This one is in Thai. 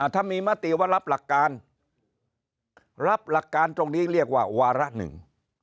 ถ้ามีมติว่ารับหลักการรับหลักการตรงนี้เรียกว่าวาระหนึ่ง